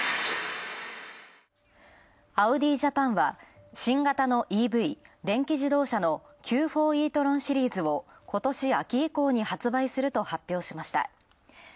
アウディジャパンは、新型のＥＶ、電気自動車のＱ４イートロンシリーズを今年秋以降に発売すると発表しました。